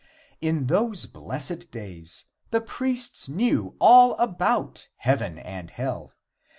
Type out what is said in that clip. In those blessed days the priests knew all about heaven and hell.